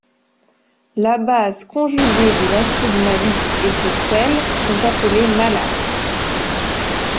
La base conjuguée de l'acide malique et ses sels sont appelés malates.